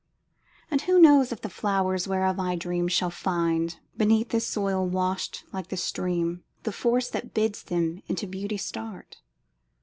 And who knows if the flowers whereof I dream Shall find, beneath this soil washed like the stream, The force that bids them into beauty start?